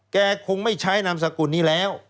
คงไม่ใช้นามสกุลนี้แล้ว